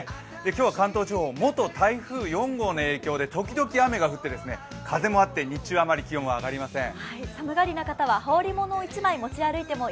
今日は関東地方、元台風４号の影響で雨が降って風もあって日中あまり気温は上がりません。